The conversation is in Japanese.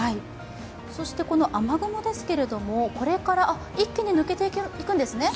そしてこの雨雲ですけど、これから一気に抜けていくんですね？